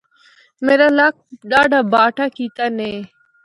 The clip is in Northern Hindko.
میرا لکھ ڈاہڈا باٹا کیتا نے۔